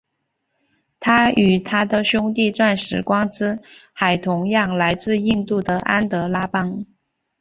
它与它的兄弟钻石光之海同样来自印度的安德拉邦。